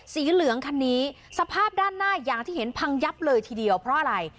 สีเหลืองคันนี้สภาพด้านหน้าอย่างที่เห็นพังยับเลยทีเดียวเพราะอะไร